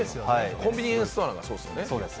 コンビニエンスストアなんかはそうですよね。